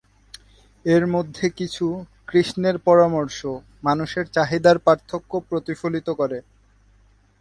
এর মধ্যে কিছু, কৃষ্ণের পরামর্শ, মানুষের চাহিদার পার্থক্য প্রতিফলিত করে।